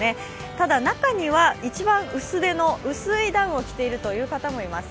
ただ、中には一番薄手の薄いダウンを着ているという方もいます。